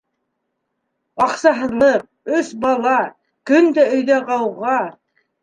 Аҡсаһыҙлыҡ, өс бала, көн дә өйҙә ғауға.